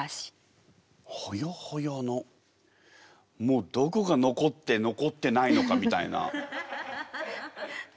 もうどこが残って残ってないのかみたいな。